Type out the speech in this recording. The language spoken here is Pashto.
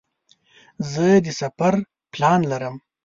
زه د سفر پلان لرم.